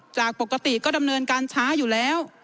จากปกติก็ดำเนินการช้าอยู่แล้ว